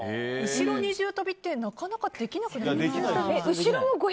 後ろ二重跳びってなかなかできなくないですか。